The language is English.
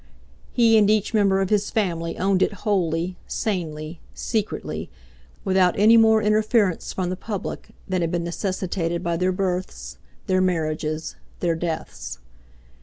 He and each member of his family owned it wholly, sanely, secretly, without any more interference from the public than had been necessitated by their births, their marriages, their deaths.